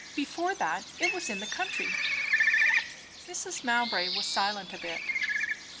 Before that, it was in the country." Mrs. Mowbray was silent a bit.